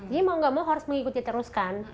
jadi mau gak mau harus mengikuti teruskan